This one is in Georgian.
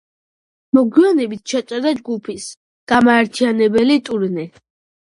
მოგვიანებით ჩატარდა ჯგუფის გამაერთიანებელი ტურნე.